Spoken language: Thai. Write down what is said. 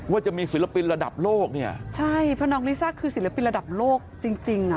ว่าจะมีศิลปินระดับโลกเนี่ยใช่เพราะน้องลิซ่าคือศิลปินระดับโลกจริงจริงอ่ะ